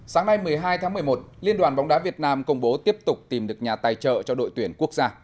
sáng nay một mươi hai tháng một mươi một liên đoàn bóng đá việt nam công bố tiếp tục tìm được nhà tài trợ cho đội tuyển quốc gia